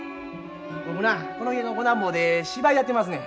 僕なこの家の五男坊で芝居やってますねん。